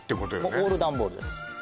もうオールダンボールです